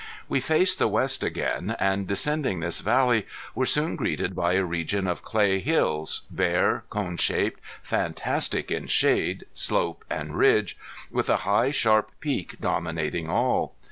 We faced the west again, and descending this valley were soon greeted by a region of clay hills, bare, cone shaped, fantastic in shade, slope, and ridge, with a high sharp peak dominating all.